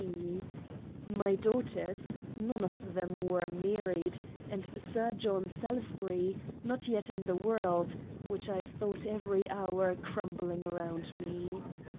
P. — My Daughters, none of them were married, — and Sir John Salus bury, not yet in the world ; which I thought every hour crumbling round me.